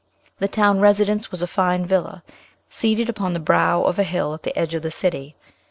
The town residence was a fine villa, seated upon the brow of a hill at the edge of the city.